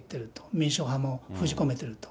民主派も封じ込めてると。